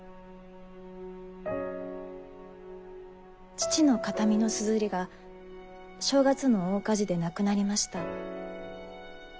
父の形見の硯が正月の大火事でなくなりました。